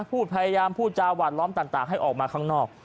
พูดพยายามพูดจาหวานล้อมต่างให้ออกมาข้างนอก